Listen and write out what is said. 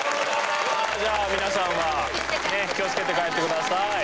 じゃあ皆さんはね気をつけて帰って下さい。